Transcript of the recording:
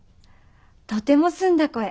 とても澄んだ声。